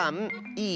いい？